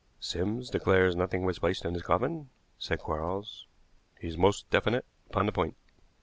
"Sims declares nothing was placed in his coffin," said Quarles; "he is most definite upon the point."